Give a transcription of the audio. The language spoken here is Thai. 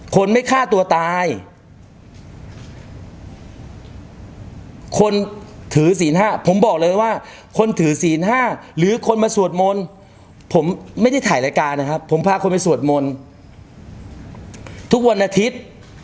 คนไม่ฆ่าตัวตายคนถือศีลห้าผมบอกเลยว่าคนถือศีล๕หรือคนมาสวดมนต์ผมไม่ได้ถ่ายรายการนะครับผมพาคนไปสวดมนต์ทุกวันอาทิตย์